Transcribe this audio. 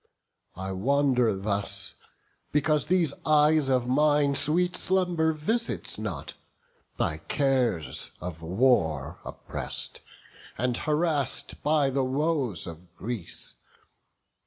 I wander thus, because these eyes of mine Sweet slumber visits not, by cares of war Oppress'd, and harass'd by the woes of Greece.